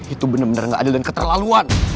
itu bener bener gak adil dan keterlaluan